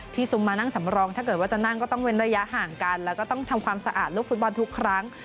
ซุมมานั่งสำรองถ้าเกิดว่าจะนั่งก็ต้องเว้นระยะห่างกันแล้วก็ต้องทำความสะอาดลูกฟุตบอลทุกครั้ง